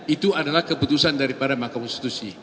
itu adalah keputusan dari mahkamah usus